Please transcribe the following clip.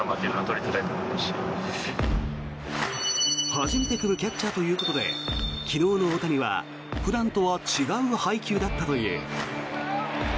初めて組むキャッチャーということで昨日の大谷は普段とは違う配球だったという。